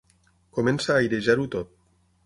Comença a airejar-ho tot.